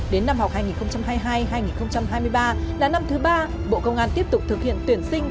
đến năm học hai nghìn hai mươi hai hai nghìn hai mươi ba là năm thứ ba bộ công an tiếp tục thực hiện tuyển sinh